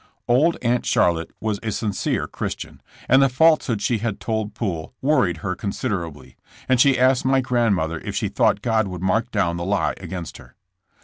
'' Old Aunt Charlotte was a sincere Christian, and the falsehood she had told Poole worried her consider ably, and she asked my grandmother if she thought God would mark down the lie against her.